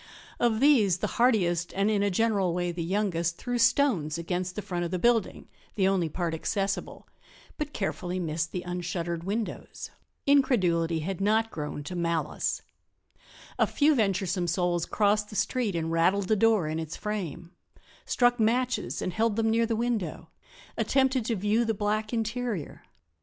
Of these the hardiest, and in a general way the youngest, threw stones against the front of the building, the only part accessible, but carefully missed the unshuttered windows. Incredulity had not grown to malice. A few venturesome souls crossed the street and rattled the door in its frame; struck matches and held them near the window; attempted to view the black interior.